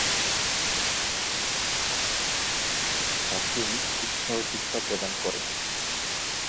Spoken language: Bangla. ব্দে-ছেন-র্দো-র্জে তাকে শিক্ষা ও দীক্ষা প্রদান করেন।